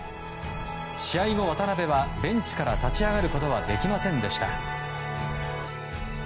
試合後、渡邊はベンチから立ち上がることができませんでした。